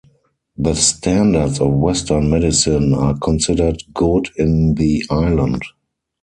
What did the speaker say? The standards of western medicine are considered good in the island.